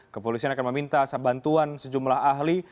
kepolisian akan meminta bantuan sejumlah ahli